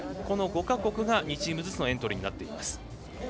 この５か国が２チームずつのエントリーになっています。